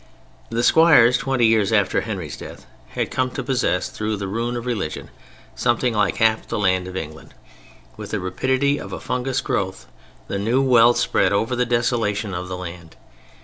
The Squires, twenty years after Henry's death, had come to possess, through the ruin of religion, something like half the land of England. With the rapidity of a fungus growth the new wealth spread over the desolation of the land.